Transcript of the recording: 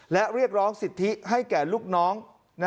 และเรียกร้องสิทธิให้แก่ลูกน้อง